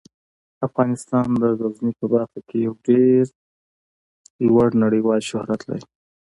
افغانستان د غزني په برخه کې یو ډیر لوړ نړیوال شهرت لري.